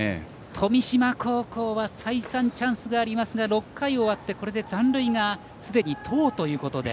富島高校は再三、チャンスがありますが６回を終わってこれで残塁がすでに１０ということで。